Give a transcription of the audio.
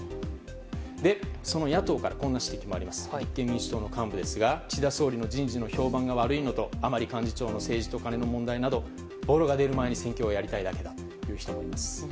その野党立憲民主党の幹部ですが岸田総理の人事の評判が悪いのと甘利幹事長の政治とカネの問題などボロが出る前に選挙をやりたいだけと言う人もいます。